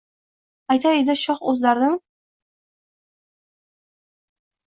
Aytar edi shoh o’z dardin